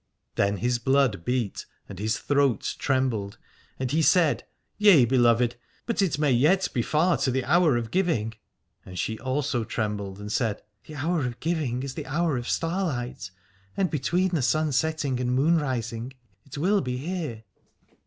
Then his blood beat and his throat 263 Al adore trembled and he said: Yea, beloved, but it may yet be far to the hour of giving. And she also trembled and said: The hour of giving is the hour of starlight, and between the sunsetting and the moonrising it will be here.